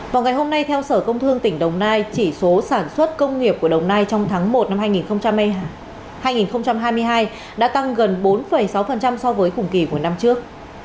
vào ngày hôm nay theo sở công thương tỉnh đồng nai chỉ số sản xuất công nghiệp của đồng nai trong tháng một năm hai nghìn hai mươi hai đã tăng gần bốn sáu so với cùng kỳ của năm trước